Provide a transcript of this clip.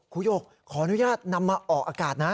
หยกขออนุญาตนำมาออกอากาศนะ